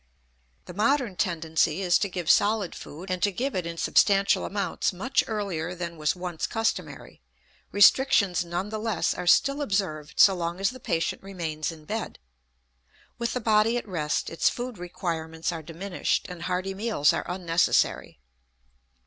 The modern tendency is to give solid food and to give it in substantial amounts much earlier than was once customary; restrictions, none the less, are still observed so long as the patient remains in bed. With the body at rest, its food requirements are diminished and hearty meals are unnecessary.